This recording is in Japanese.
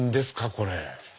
これ。